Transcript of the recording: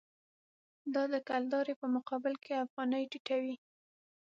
دا د کلدارې په مقابل کې افغانۍ ټیټوي.